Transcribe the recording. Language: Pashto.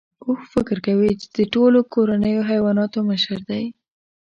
اوښ فکر کوي چې د ټولو کورنیو حیواناتو مشر دی.